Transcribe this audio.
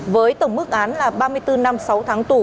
với tổng mức án là ba mươi bốn năm sáu tháng tù